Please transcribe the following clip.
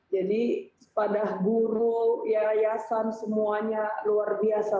jadi pada guru yayasan semuanya luar biasa